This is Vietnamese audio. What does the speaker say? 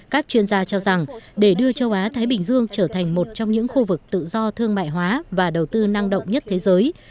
các chuyên gia cho rằng để đưa châu á thái bình dương trở thành một trong những khu vực tự do thương mại hóa và đầu tư năng động nhất thế giới